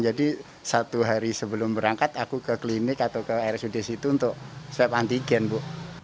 jadi satu hari sebelum berangkat aku ke klinik atau ke rsud situ untuk swab antigen bu